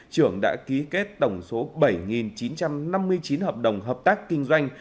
trưởng đã ký kết tổng số bảy chín trăm năm mươi chín hợp đồng hợp tác kinh doanh